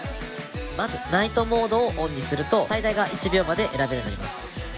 まずナイトモードをＯＮにすると最大が１秒まで選べるようになります。